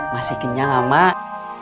masih kenyang mak